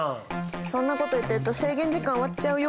そんなこと言ってると制限時間終わっちゃうよ。